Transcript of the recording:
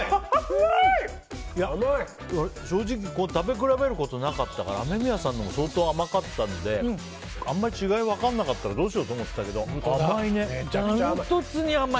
正直食べ比べることなかったから雨宮さんのも相当甘かったんであんまり違い分からなかったらどうしようって思ったけどダントツに甘い。